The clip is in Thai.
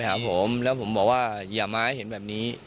เหล่าผมบอกว่าย่าม้ายเห็นแบบนี้